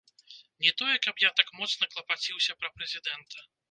Не тое, каб я так моцна клапаціўся пра прэзідэнта.